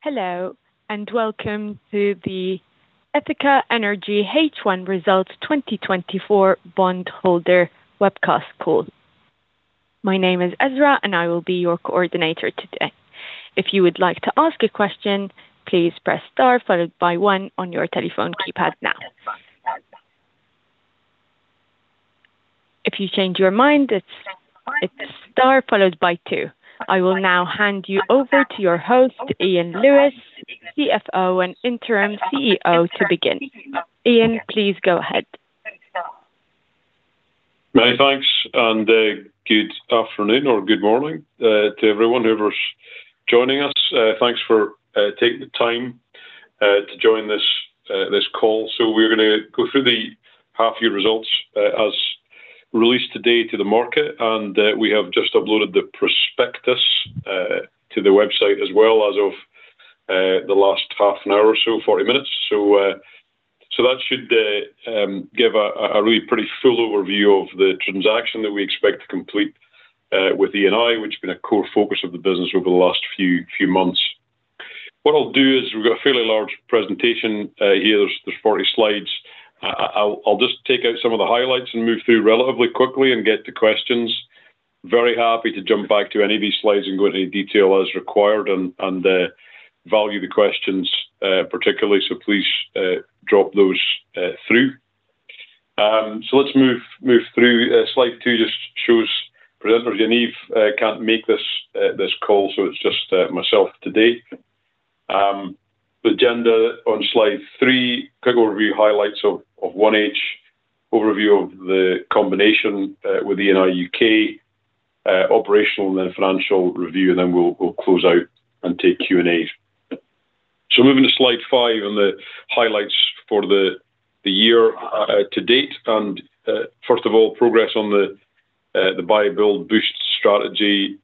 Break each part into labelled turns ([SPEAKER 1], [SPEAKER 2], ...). [SPEAKER 1] Hello, and welcome to the Ithaca Energy H1 Results 2024 Bondholder Webcast Call. My name is Ezra, and I will be your coordinator today. If you would like to ask a question, please press star followed by one on your telephone keypad now. If you change your mind, it's star followed by two. I will now hand you over to your host, Iain Lewis, CFO and Interim CEO, to begin. Iain, please go ahead.
[SPEAKER 2] Many thanks, and good afternoon or good morning to everyone who is joining us. Thanks for taking the time to join this call. So we're gonna go through the half-year results as released today to the market, and we have just uploaded the prospectus to the website as well as of the last half an hour or so, 40 minutes. So that should give a really pretty full overview of the transaction that we expect to complete with Eni, which has been a core focus of the business over the last few months. What I'll do is we've got a fairly large presentation here. There's 40 slides. I'll just take out some of the highlights and move through relatively quickly and get to questions. Very happy to jump back to any of these slides and go into any detail as required and value the questions, particularly, so please drop those through. So let's move through. Slide two just shows President Yaniv can't make this call, so it's just myself today. The agenda on slide three, quick overview highlights of 1H, overview of the combination with Eni U.K., operational and then financial review, and then we'll close out and take Q&A. So moving to slide five on the highlights for the year to date, and first of all, progress on the buy, build, boost strategy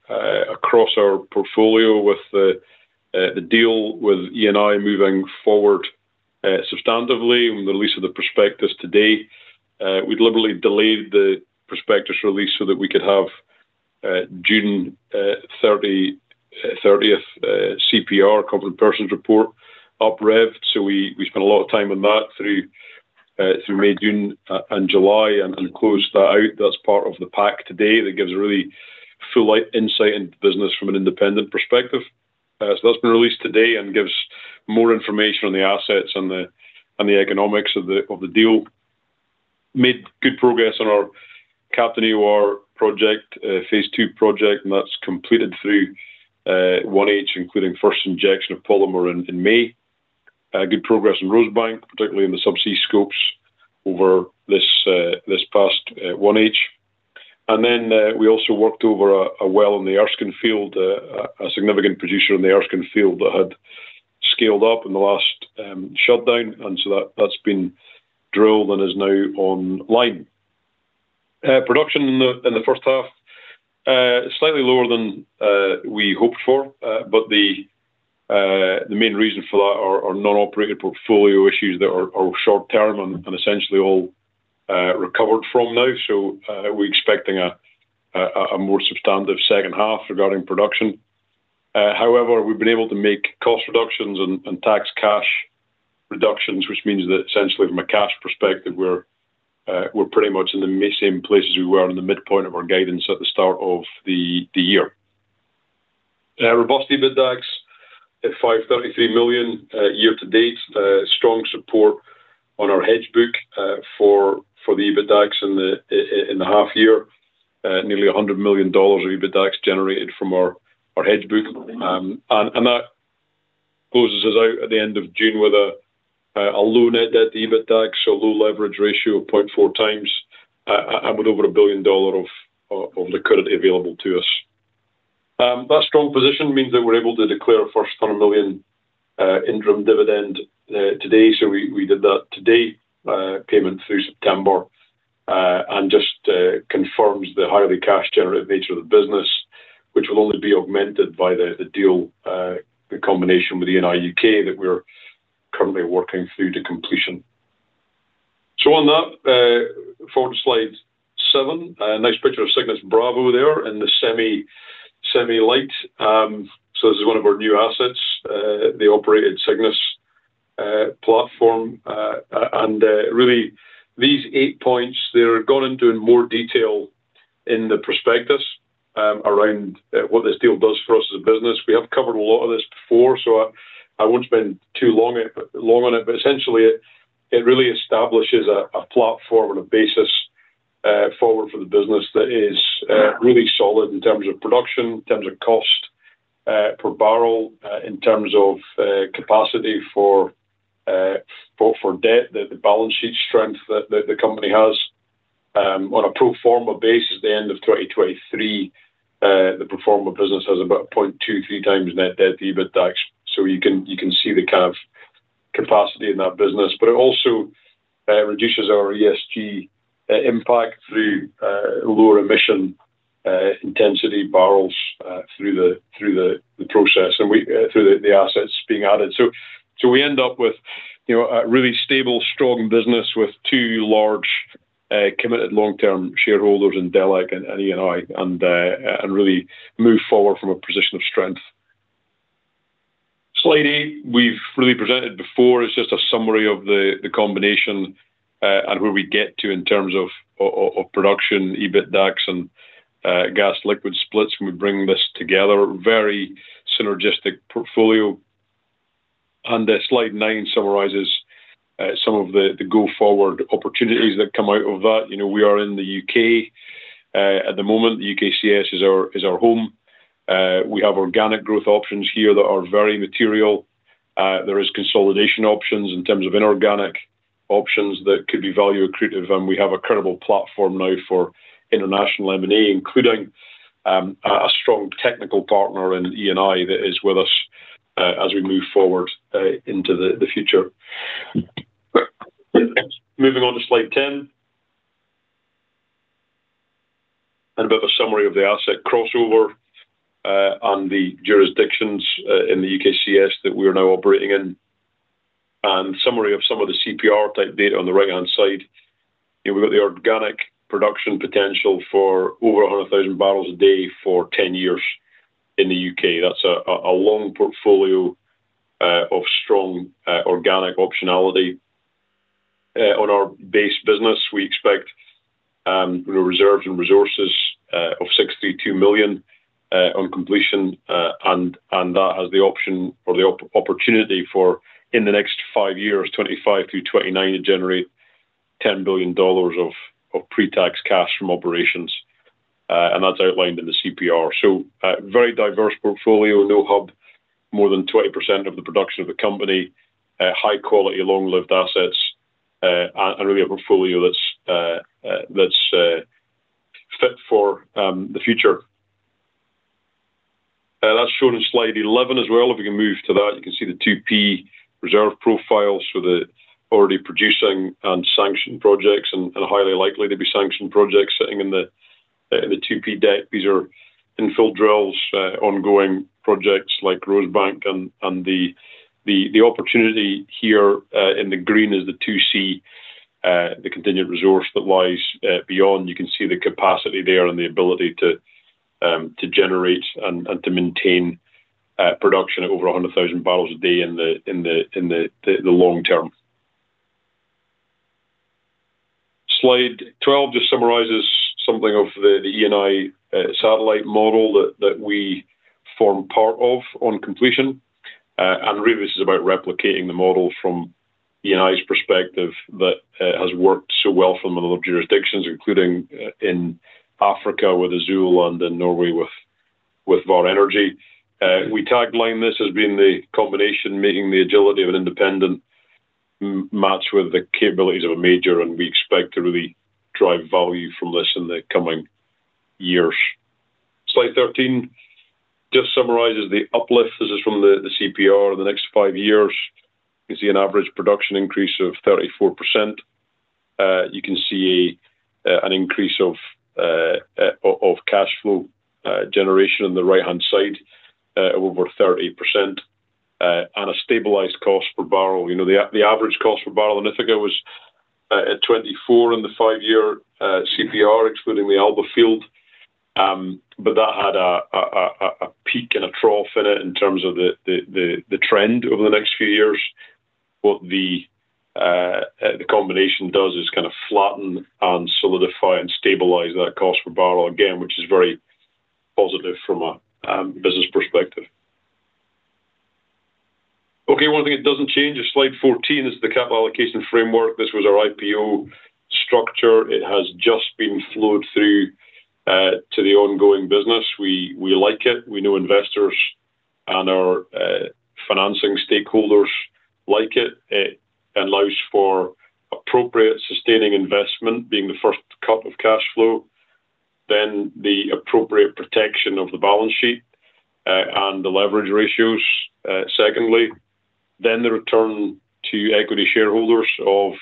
[SPEAKER 2] across our portfolio with the deal with Eni moving forward substantively with the release of the prospectus today. We deliberately delayed the prospectus release so that we could have June thirtieth CPR, Competent Person's Report, up-revved. So we spent a lot of time on that through May, June, and July and closed that out. That's part of the pack today. That gives a really full, like, insight into the business from an independent perspective. So that's been released today and gives more information on the assets and the economics of the deal. Made good progress on our Captain EOR project, phase II project, and that's completed through 1H, including first injection of polymer in May. Good progress in Rosebank, particularly in the subsea scopes over this past 1H. And then, we also worked over a well in the Erskine field, a significant producer in the Erskine field that had scaled up in the last shutdown, and so that's been drilled and is now online. Production in the first half slightly lower than we hoped for, but the main reason for that are non-operated portfolio issues that are short-term and essentially all recovered from now. So, we're expecting a more substantive second half regarding production. However, we've been able to make cost reductions and tax cash reductions, which means that essentially from a cash perspective, we're pretty much in the same place as we were in the midpoint of our guidance at the start of the year. Robust EBITDAX at $533 million year to date. Strong support on our hedge book for the EBITDAX in the half-year. Nearly $100 million of EBITDAX generated from our hedge book. And that closes us out at the end of June with a low net debt to EBITDAX, so low leverage ratio of 0.4x, and with over $1 billion of liquidity available to us. That strong position means that we're able to declare a first $100 million interim dividend today. So we did that today, payment through September, and just confirms the highly cash generative nature of the business, which will only be augmented by the deal, the combination with the Eni U.K. that we're currently working through to completion. So on that, forward to slide seven, a nice picture of Cygnus Bravo there in the semi-light. So this is one of our new assets, the operated Cygnus platform. And really, these eight points, they're gone into in more detail in the prospectus, around what this deal does for us as a business. We have covered a lot of this before, so I won't spend too long on it, but essentially, it really establishes a platform and a basis forward for the business that is really solid in terms of production, in terms of cost per barrel, in terms of capacity for debt, the balance sheet strength that the company has. On a pro forma basis, at the end of 2023, the pro forma business has about 0.23x net debt to EBITDAX. So you can see the kind of capacity in that business, but it also reduces our ESG impact through lower emission intensity barrels through the process, and we through the assets being added. We end up with, you know, a really stable, strong business with two large committed long-term shareholders in Delek and Eni, and really move forward from a position of strength. Slide eight we've really presented before. It's just a summary of the combination and where we get to in terms of production, EBITDAX and gas liquid splits when we bring this together. Very synergistic portfolio. Slide nine summarizes some of the go-forward opportunities that come out of that. You know, we are in the U.K. At the moment, the UKCS is our home. We have organic growth options here that are very material. There is consolidation options in terms of inorganic options that could be value accretive, and we have a credible platform now for international M&A, including a strong technical partner in Eni that is with us as we move forward into the future. Moving on to slide 10. A bit of a summary of the asset crossover on the jurisdictions in the UKCS that we are now operating in, and summary of some of the CPR type data on the right-hand side. We've got the organic production potential for over 100,000 barrels a day for 10 years in the U.K. That's a long portfolio of strong organic optionality. On our base business, we expect reserves and resources of 62 million on completion, and that has the option or the opportunity for, in the next five years, 2025 through 2029, to generate $10 billion of pre-tax cash from operations, and that's outlined in the CPR. Very diverse portfolio, no hub more than 20% of the production of the company, high quality, long-lived assets, and really a portfolio that's that's fit for the future. That's shown in slide 11 as well. If we can move to that, you can see the 2P reserve profile for the already producing and sanctioned projects, and highly likely to be sanctioned projects sitting in the 2P deck. These are infill drills, ongoing projects like Rosebank and the opportunity here in the green is the 2C, the contingent resource that lies beyond. You can see the capacity there and the ability to generate and to maintain production at over a hundred thousand barrels a day in the long-term. Slide 12 just summarizes something of the Eni satellite model that we form part of on completion. And really, this is about replicating the model from Eni's perspective that has worked so well from other jurisdictions, including in Africa with Azule and in Norway with Vår Energi. We tagline this as being the combination, making the agility of an independent match with the capabilities of a major, and we expect to really drive value from this in the coming years. Slide 13 just summarizes the uplift. This is from the CPR. The next five years, you see an average production increase of 34%. You can see an increase of cash flow generation on the right-hand side, over 30%, and a stabilized cost per barrel. You know, the average cost per barrel in Ithaca was at $24 in the five-year CPR, excluding the Alba Field, but that had a peak and a trough in it in terms of the trend over the next few years. What the combination does is kind of flatten and solidify and stabilize that cost per barrel, again, which is very positive from a business perspective. Okay, one thing that doesn't change is slide 14. This is the capital allocation framework. This was our IPO structure. It has just been flowed through to the ongoing business. We like it. We know investors and our financing stakeholders like it. It allows for appropriate sustaining investment, being the first cut of cash flow, then the appropriate protection of the balance sheet and the leverage ratios secondly, then the return to equity shareholders of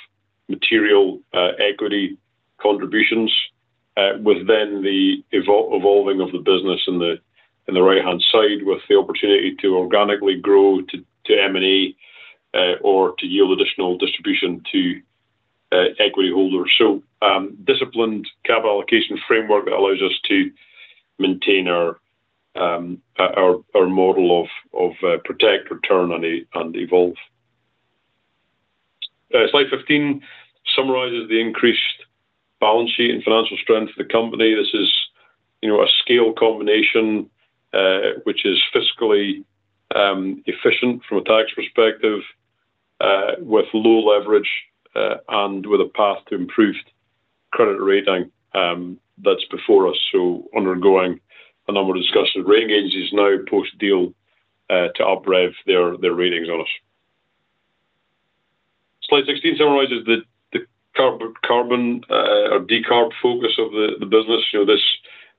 [SPEAKER 2] material equity contributions with then the evolving of the business in the right-hand side, with the opportunity to organically grow, to M&A or to yield additional distribution to equity holders. So, disciplined capital allocation framework allows us to maintain our model of protect, return, and evolve. Slide 15 summarizes the increased balance sheet and financial strength of the company. This is, you know, a scale combination, which is fiscally efficient from a tax perspective, with low leverage, and with a path to improved credit rating, that's before us. So undergoing a number of discussions with rating agencies now post-deal, to up-rev their ratings on us. Slide 16 summarizes the carbon or decarb focus of the business. You know, this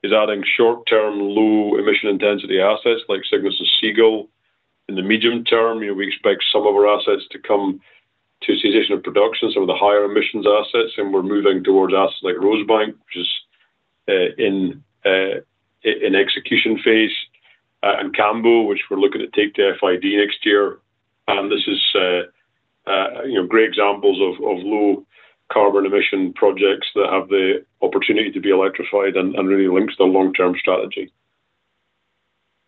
[SPEAKER 2] is adding short-term, low emission intensity assets like Cygnus and Seagull. In the medium term, you know, we expect some of our assets to come to cessation of production, some of the higher emissions assets, and we're moving towards assets like Rosebank, which is in execution phase and Cambo, which we're looking to take to FID next year. And this is, you know, great examples of low carbon emission projects that have the opportunity to be electrified and really links to the long-term strategy.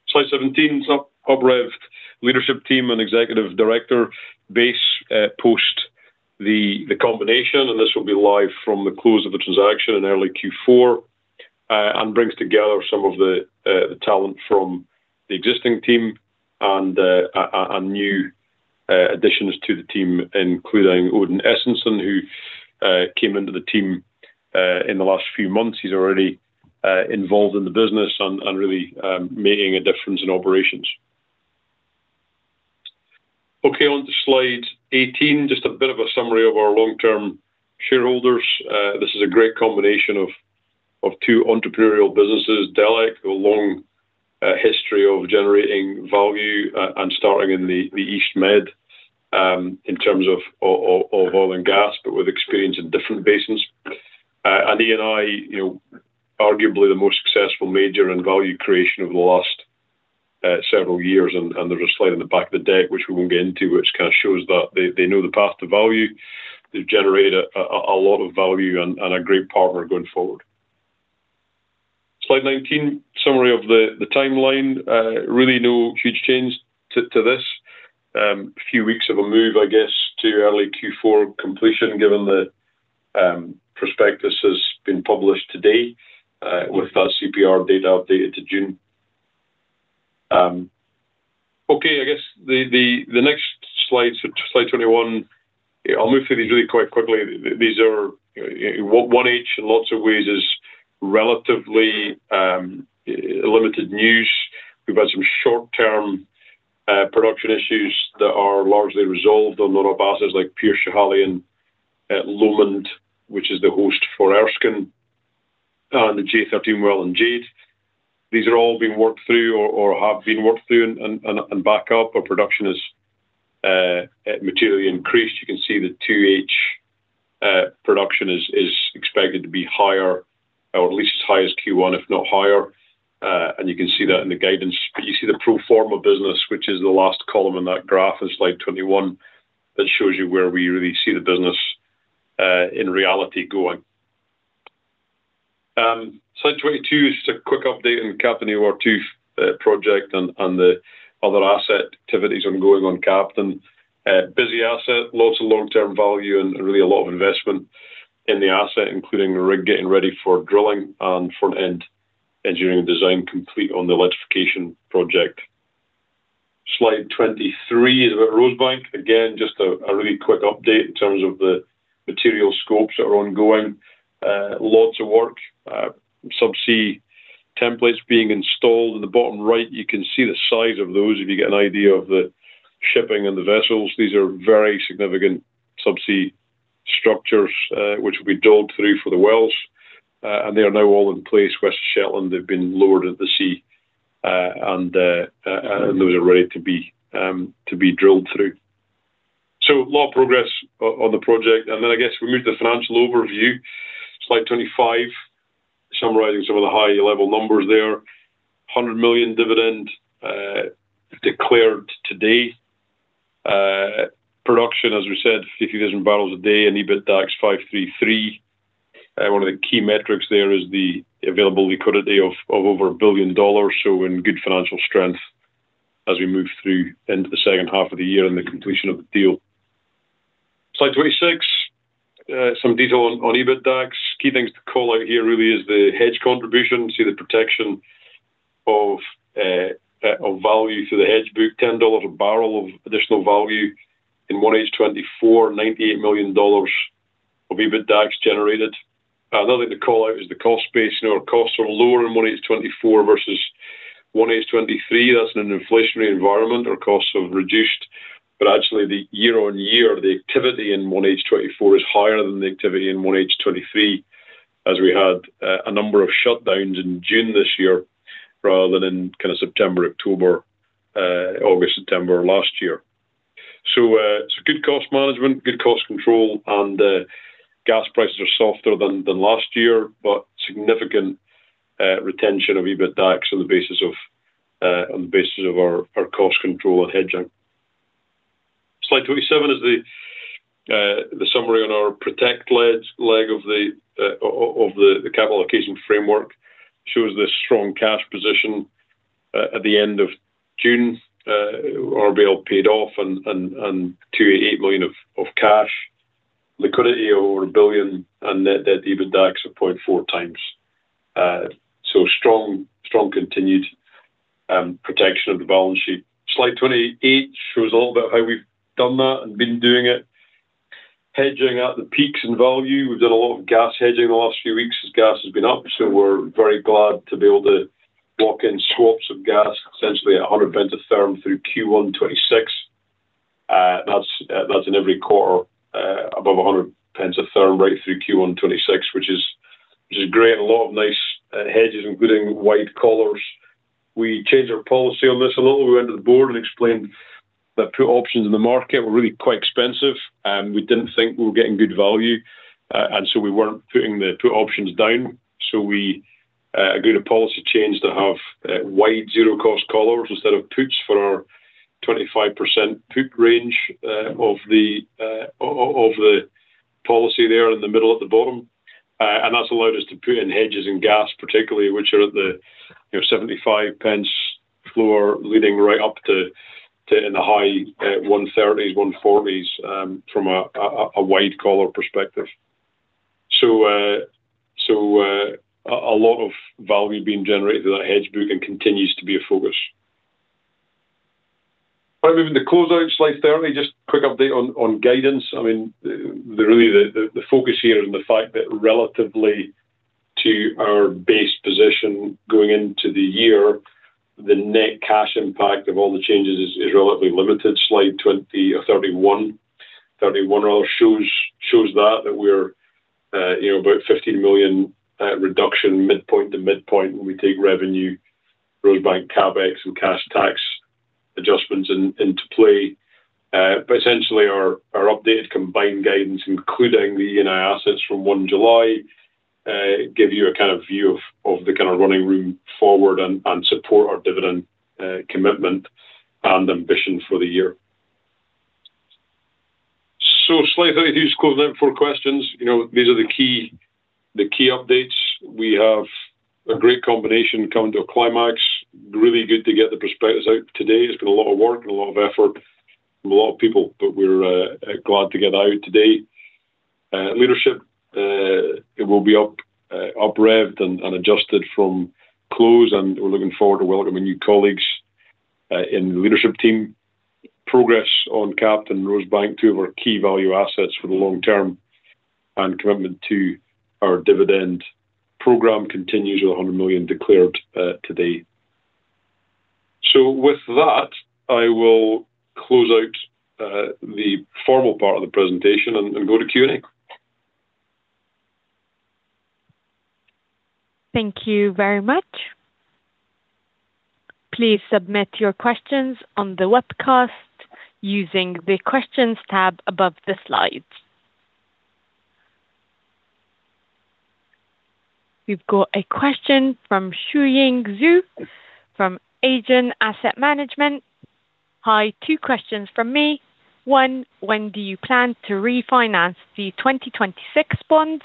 [SPEAKER 2] Slide 17, so our revamped leadership team and executive director base post the combination, and this will be live from the close of the transaction in early Q4. And brings together some of the talent from the existing team and new additions to the team, including Odin Estensen, who came into the team in the last few months. He's already involved in the business and really making a difference in operations. Okay, on to slide 18, just a bit of a summary of our long-term shareholders. This is a great combination of two entrepreneurial businesses. Delek, a long history of generating value, and starting in the East Med, in terms of oil and gas, but with experience in different basins. And Eni, you know, arguably the most successful major in value creation over the last several years, and there's a slide in the back of the deck, which we won't get into, which kind of shows that they know the path to value. They've generated a lot of value and a great partner going forward. Slide 19, summary of the timeline. Really no huge change to this. A few weeks of a move, I guess, to early Q4 completion, given the prospectus has been published today, with that CPR date updated to June. Okay, I guess the next slide, so slide 21. I'll move through these really quite quickly. These are 1H, in lots of ways is relatively limited news. We've had some short-term production issues that are largely resolved on a lot of our bases, like Pierce, Schiehallion and Lomond, which is the host for Erskine, and the J-13 well in Jade. These are all being worked through or have been worked through and back up our production is materially increased. You can see the 2H production is expected to be higher or at least as high as Q1, if not higher. And you can see that in the guidance. But you see the pro forma business, which is the last column in that graph, in slide 21, that shows you where we really see the business, in reality going. Slide 22 is just a quick update on the Captain EOR project and the other asset activities ongoing on Captain. Busy asset, lots of long-term value and really a lot of investment in the asset, including the rig, getting ready for drilling and front-end engineering design complete on the electrification project. Slide 23 is about Rosebank. Again, just a really quick update in terms of the material scopes that are ongoing. Lots of work, subsea templates being installed. In the bottom right, you can see the size of those. If you get an idea of the shipping and the vessels, these are very significant subsea structures, which will be drilled through for the wells. And they are now all in place, West Shetland. They've been lowered at the sea, and those are ready to be drilled through. So a lot of progress on the project, and then I guess we move to the financial overview. Slide 25, summarizing some of the high-level numbers there. $100 million dividend, declared today. Production, as we said, 50,000 barrels a day, and EBITDAX 533. One of the key metrics there is the available liquidity of over $1 billion, so in good financial strength as we move through into the second half of the year and the completion of the deal. Slide 26, some detail on EBITDAX. Key things to call out here really is the hedge contribution. See the protection of value through the hedge book, $10 a barrel of additional value in 1H 2024, $98 million of EBITDAX generated. Another thing to call out is the cost base. You know, our costs are lower in 1H 2024 versus 1H 2023. That's in an inflationary environment, our costs have reduced, but actually the year-on-year, the activity in 1H 2024 is higher than the activity in 1H 2023, as we had a number of shutdowns in June this year rather than in kind of September, October, August, September last year. So good cost management, good cost control, and gas prices are softer than last year, but significant retention of EBITDAX on the basis of our cost control and hedging. Slide 27 is the summary on our protect leg of the capital allocation framework. Shows the strong cash position at the end of June, RBL paid off and $280 million of cash. Liquidity over $1 billion, and net debt to EBITDAX of 0.4x. So strong continued protection of the balance sheet. Slide 28 shows a little about how we've done that and been doing it. Hedging at the peaks in value. We've done a lot of gas hedging the last few weeks as gas has been up, so we're very glad to be able to lock in swaps of gas, essentially at 100 pence a therm through Q1 2026. That's in every quarter above 100 pence a therm right through Q1 2026, which is great, and a lot of nice hedges, including wide collars. We changed our policy on this a little. We went to the board and explained that put options in the market were really quite expensive, and we didn't think we were getting good value, and so we weren't putting the put options down. So we agreed a policy change to have wide zero cost collars instead of puts for our 25% put range of the policy there in the middle at the bottom. And that's allowed us to put in hedges and gas, particularly, which are at the, you know, 75 pence floor, leading right up to in the high 130s-140s, from a wide collar perspective. A lot of value being generated through that hedge book and continues to be a focus. All right, moving to closeout, slide 30, just a quick update on guidance. I mean, really, the focus here is on the fact that relatively to our base position going into the year, the net cash impact of all the changes is relatively limited. Slide 31 shows that we're, you know, about 15 million reduction, midpoint to midpoint, when we take revenue, Rosebank CapEx, and cash tax adjustments into play. But essentially, our updated combined guidance, including the ENI assets from one July, give you a kind of view of the kind of running room forward and support our dividend commitment and ambition for the year. So slide 32 is closing out for questions. You know, these are the key updates. We have a great combination coming to a climax. Really good to get the prospectus out today. It's been a lot of work and a lot of effort from a lot of people, but we're glad to get it out today. Leadership, it will be up-revved and adjusted from close, and we're looking forward to welcoming new colleagues in the leadership team. Progress on Cambo and Rosebank, two of our key value assets for the long-term, and commitment to our dividend program continues with $100 million declared today. With that, I will close out the formal part of the presentation and go to Q&A.
[SPEAKER 1] Thank you very much. Please submit your questions on the webcast using the Questions tab above the slides. We've got a question from Xuying Zhu from Aegon Asset Management. "Hi, two questions from me. One, when do you plan to refinance the 2026 bonds?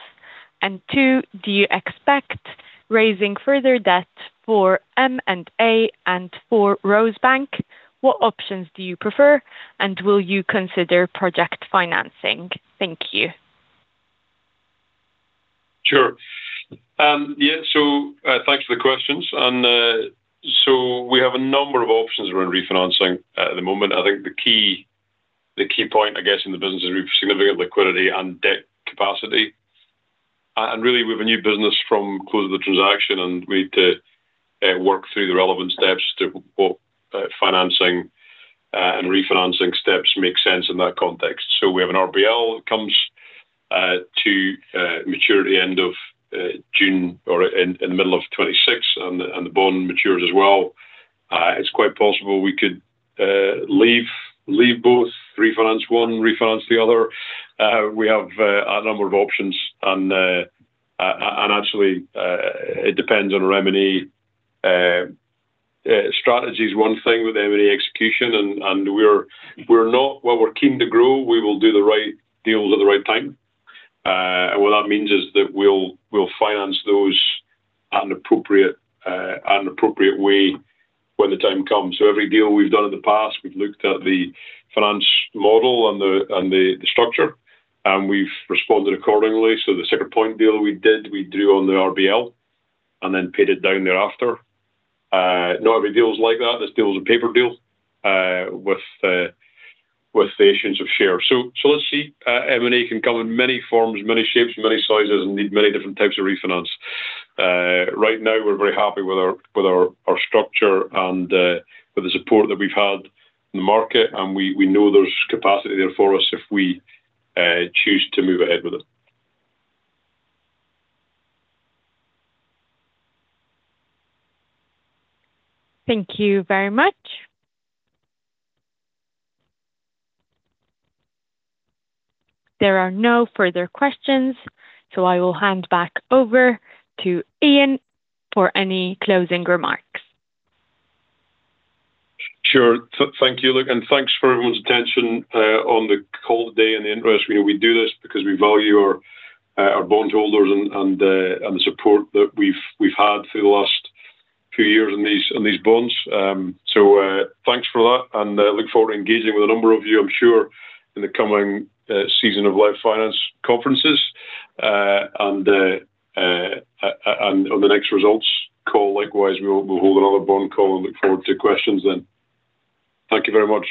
[SPEAKER 1] And two, do you expect raising further debt for M&A and for Rosebank? What options do you prefer, and will you consider project financing? Thank you.
[SPEAKER 2] Sure. Xuying Zhu, so thanks for the questions, and so we have a number of options around refinancing at the moment. I think the key, the key point, I guess, in the business is we've significant liquidity and debt capacity and really, we have a new business from close of the transaction, and we need to work through the relevant steps to what financing and refinancing steps make sense in that context, so we have an RBL that comes to maturity end of June or in the middle of 2026, and the bond matures as well. It's quite possible we could leave both, refinance one, refinance the other. We have a number of options and actually, it depends on our M&A. Strategy is one thing with M&A execution. While we're keen to grow, we will do the right deals at the right time. What that means is that we'll finance those at an appropriate way when the time comes. Every deal we've done in the past, we've looked at the finance model and the structure, and we've responded accordingly. The second bond deal we did, we drew on the RBL and then paid it down thereafter. Not every deal is like that. This deal is a paper deal with the issuance of shares. Let's see. M&A can come in many forms, many shapes, many sizes, and need many different types of refinance. Right now, we're very happy with our structure and with the support that we've had in the market, and we know there's capacity there for us if we choose to move ahead with it.
[SPEAKER 1] Thank you very much. There are no further questions, so I will hand back over to Iain for any closing remarks.
[SPEAKER 2] Sure. Thank you, look, and thanks for everyone's attention on the call today and the interest. We know we do this because we value our bondholders and the support that we've had through the last few years on these bonds. Thanks for that, and look forward to engaging with a number of you, I'm sure, in the coming season of live finance conferences. And on the next results call, likewise, we'll hold another bond call and look forward to your questions then. Thank you very much.